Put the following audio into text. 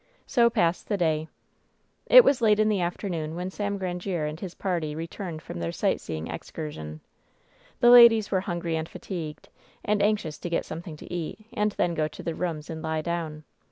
So passed the day. 264 WHEN SHADOWS DIE It was late in the afternoon when Sam Grandiere and his party returned from their sightseeing excursion. The ladies were hungry and fatigued, and anxious to get something to eat, and then tojgo to their rooms and lie down.